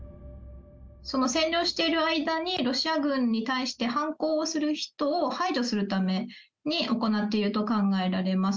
その占領している間に、ロシア軍に対して反抗をする人を排除するために行っていると考えられます。